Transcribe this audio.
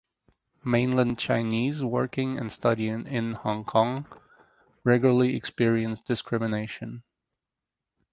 Mainland Chinese working and studying in Hong Kong regularly experience discrimination.